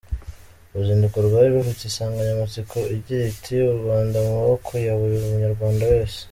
Uruzinduko rwari rufite insanganyamatsiko igira iti ”U Rwanda mu maboko ya buri munyarwanda wese”.